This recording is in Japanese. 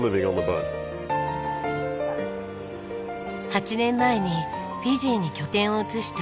８年前にフィジーに拠点を移したトムさん。